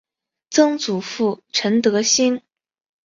曾祖父陈德兴。